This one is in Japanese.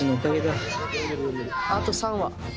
あと３羽。